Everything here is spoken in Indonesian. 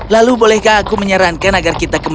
lalu bolehkah aku menyarankan agar kita ke rumah